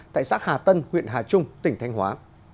tại xã hà tân huyện hà trung tỉnh thanh hóa